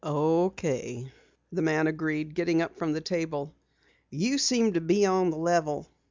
"Okay," the man agreed, getting up from the table. "You seem to be on the level."